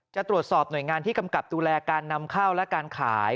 จะตรวจสอบหน่วยงานที่กำกับดูแลการนำเข้าและการขาย